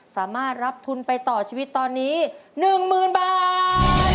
สามารถรับทุนไปต่อชีวิตตอนนี้หนึ่งหมื่นบาท